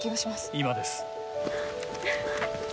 今です。